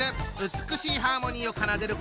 美しいハーモニーを奏でる